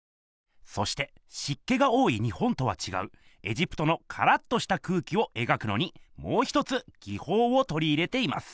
そしてしっけが多い日本とはちがうエジプトのカラッとした空気を描くのにもう一つぎほうをとり入れています。